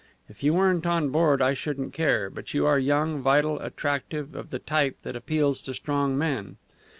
If you weren't on board I shouldn't care. But you are young, vital, attractive, of the type that appeals to strong men.